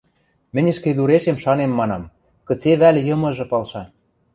Мӹнь ӹшкедурешем шанем, манам: «Кыце вӓл йымыжы палша?